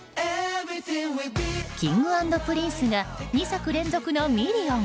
Ｋｉｎｇ＆Ｐｒｉｎｃｅが２作連続のミリオン。